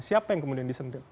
siapa yang kemudian disentuh